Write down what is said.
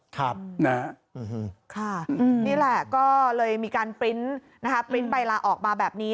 ค่ะนี่แหละก็เลยมีการปริ้นต์นะคะปริ้นต์ใบลาออกมาแบบนี้